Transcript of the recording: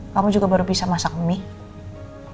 kamu juga baru bisa masak mie